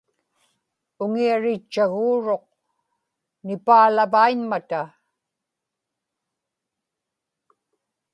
uŋiaritchaguuruq nipaalavaiñmata